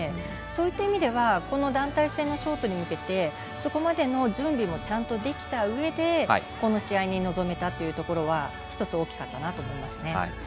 そういった意味ではこの団体戦のショートに向けてそこまでの準備もちゃんとできたうえでこの試合に臨めたというところは１つ大きかったと思いますね。